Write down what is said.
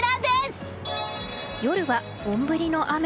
夜は本降りの雨。